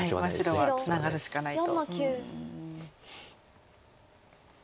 白はツナがるしかないと。